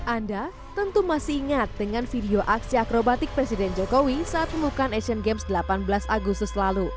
anda tentu masih ingat dengan video aksi akrobatik presiden jokowi saat menemukan asian games delapan belas agustus lalu